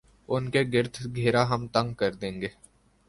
ان کے گرد گھیرا ہم تنگ کر دیں گے۔